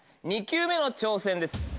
２球目の挑戦です。